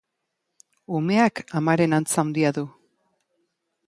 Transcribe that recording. Umeak amaren antza handia du.